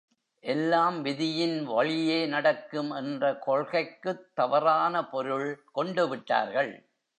எல்லாம் விதியின் வழியே நடக்கும் என்ற கொள்கைக்குத் தவறான பொருள் கொண்டுவிட்டார்கள்.